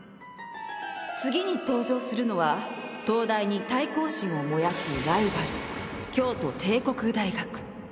次に登場するのは東大に対抗心を燃やすライバル京都帝国大学！